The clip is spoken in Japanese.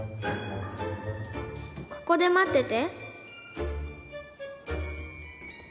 ここで待ってて。